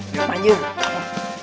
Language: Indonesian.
minum aja yuk